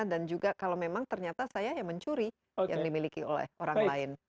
dan juga kalau memang ternyata saya yang mencuri yang dimiliki oleh orang lain